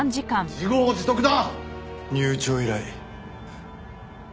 自業自得だ！